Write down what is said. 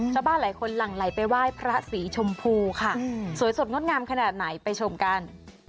ชาวบ้านหลายคนหลั่งไหลไปไหว้พระสีชมพูค่ะสวยสดงดงามขนาดไหนไปชมกัน